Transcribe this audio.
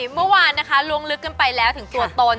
เมื่อวานนะคะล้วงลึกกันไปแล้วถึงตัวตน